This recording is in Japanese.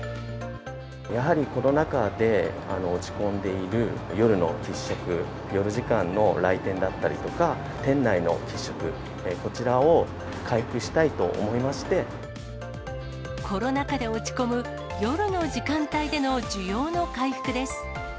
やはりコロナ禍で落ち込んでいる夜の喫食、夜時間の来店だったりとか、店内の喫食、コロナ禍で落ち込む夜の時間帯での需要の回復です。